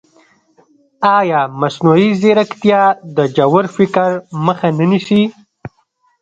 ایا مصنوعي ځیرکتیا د ژور فکر مخه نه نیسي؟